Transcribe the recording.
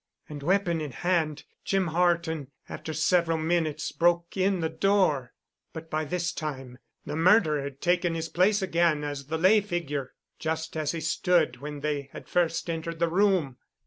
And weapon in hand, Jim Horton, after several minutes, broke in the door. But by this time the murderer had taken his place again as the lay figure, just as he stood when they had first entered the room.